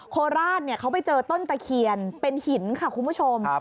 โคราชเขาไปเจอต้นตะเคียนเป็นหินค่ะคุณผู้ชม